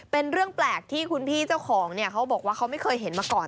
เป็นเรื่องแปลกที่คุณพี่เจ้าของเนี่ยเขาบอกว่าเขาไม่เคยเห็นมาก่อน